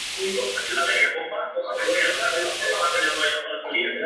Actualmente se desempeña como concejal por la comuna de Rancagua.